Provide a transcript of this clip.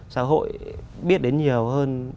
xã hội biết đến nhiều hơn